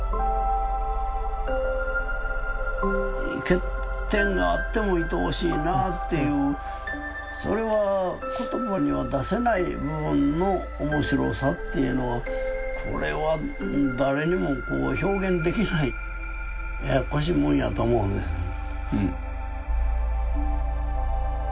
欠点があってもいとおしいなっていうそれは言葉には出せない部分の面白さっていうのはこれは誰にもこう表現できないややっこしいもんやと思うんですね。